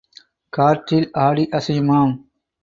காற்றில் ஆடி ஆசையுமாம்.